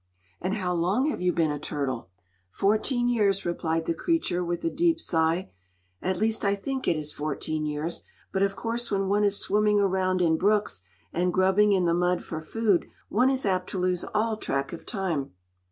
"And how long have you been a turtle?" "Fourteen years," replied the creature, with a deep sigh. "At least, I think it is fourteen years; but of course when one is swimming around in brooks and grubbing in the mud for food, one is apt to lose all track of time."